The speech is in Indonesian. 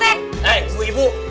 eh bu ibu